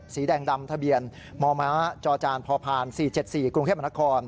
สีแดงดำทะเบียนมมจจพพ๔๗๔กรุงเทพมนาคม